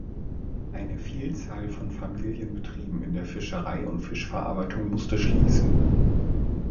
Eine Vielzahl von Familienbetrieben in der Fischerei und Fischverarbeitung musste schließen.